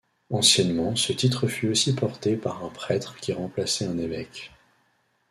Anciennement, ce titre fut aussi porté par un prêtre qui remplaçait un évêque.